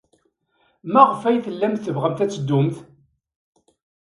Maɣef ay tellamt tebɣamt ad teddumt?